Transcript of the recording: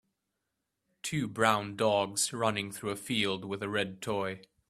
Two brown dogs running through a field with a red toy